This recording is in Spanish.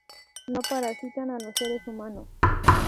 No parasitan a los seres humanos.